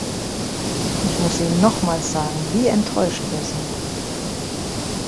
Ich muss Ihnen nochmals sagen, wie enttäuscht wir sind.